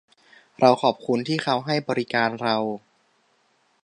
เราขอบคุณที่เค้าให้บริการเรา